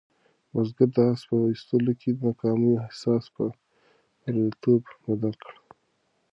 بزګر د آس په ایستلو کې د ناکامۍ احساس په بریالیتوب بدل کړ.